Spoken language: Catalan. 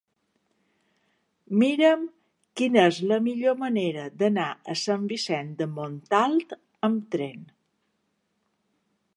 Mira'm quina és la millor manera d'anar a Sant Vicenç de Montalt amb tren.